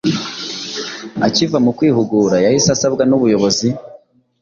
akiva mu kwihugura yahise asabwa n’ubuyobozi